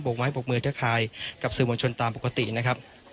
บวกไม้ปลูกมือเทือคลายกับสื่อมวลชนตามปกตินะครับ